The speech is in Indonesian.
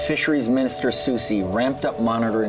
pemerintah susi mengeratkan perusahaan penyelidikan